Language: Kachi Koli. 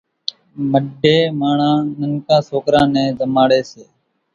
مڍين ماڻۿان ننڪان سوڪران نين زماڙي سي